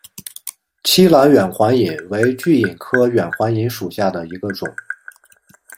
栖兰远环蚓为巨蚓科远环蚓属下的一个种。